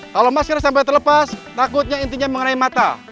kalau masker sampai terlepas takutnya intinya mengenai mata